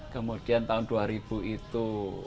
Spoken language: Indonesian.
kemudian tahun dua ribu itu